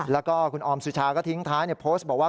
แล้วก็คุณออมสุชาก็ทิ้งท้ายในโพสต์บอกว่า